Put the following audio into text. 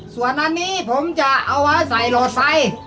ส่วนอันนี้ผมจะเอาไว้ใส่โหลดไซต์